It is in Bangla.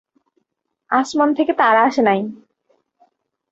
আসমান থেকে তারা আসেনি।